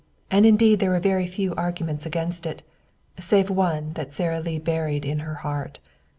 And indeed there were few arguments against it, save one that Sara Lee buried in her heart.